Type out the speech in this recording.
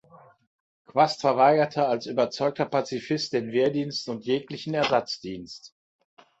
Quast verweigerte als überzeugter Pazifist den Wehrdienst und jeglichen Ersatzdienst.